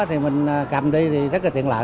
thì mình cầm đi thì rất là tiện lợi